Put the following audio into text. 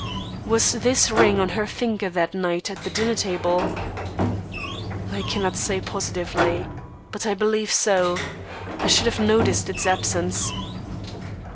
"Was this ring on her finger that night at the dinner table?" "I cannot say, positively, but I believe so. I should have noticed its absence."